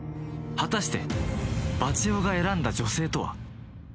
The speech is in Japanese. ［果たしてバチェ男が選んだ女性とは］